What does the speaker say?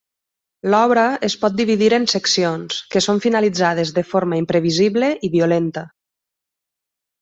L'obra es pot dividir en seccions, que són finalitzades de forma imprevisible i violenta.